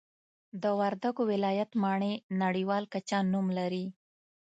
د وردګو ولایت مڼې نړیوال کچه نوم لري